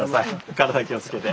体に気をつけて。